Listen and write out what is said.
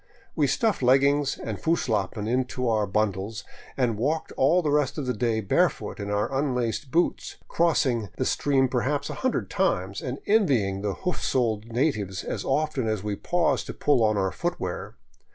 We stuffed leggings and Fusslappen into our bun dles and walked all the rest of the day barefoot in our unlaced boots, crossing the stream perhaps a hundred times, and envying the hoof soled natives as often as we paused to pull on our footwear.